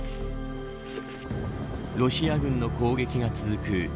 ロシア軍の攻撃が続く